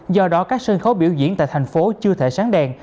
do đó các sân khấu biểu diễn tại thành phố chưa thể sáng đèn